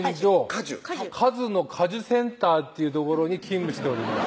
果樹かづの果樹センターっていう所に勤務しております